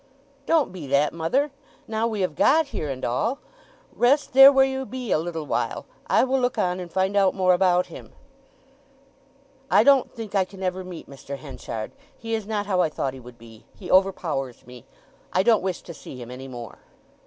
"Don't be that, mother, now we have got here and all! Rest there where you be a little while—I will look on and find out more about him." "I don't think I can ever meet Mr. Henchard. He is not how I thought he would be—he overpowers me! I don't wish to see him any more."